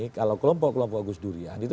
kalau kelompok kelompok gusdurian itu